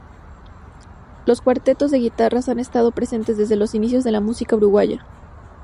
Los cuartetos de guitarras han estado presentes desde los inicios de la música uruguaya.